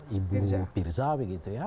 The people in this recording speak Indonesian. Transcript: yang sudah lah ibu pirzawi gitu ya